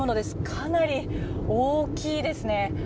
かなり大きいですね。